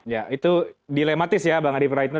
ya itu dilematis ya bang adi praitno